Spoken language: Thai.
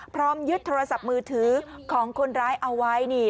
พร้อมยึดโทรศัพท์มือถือของคนร้ายเอาไว้นี่